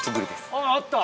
あっあった。